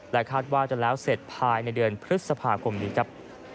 คาดว่าจะแล้วเสร็จภายในเดือนพฤษภาคมนี้ครับ